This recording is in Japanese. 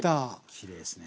きれいですね。